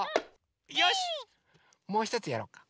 よしっもうひとつやろうか。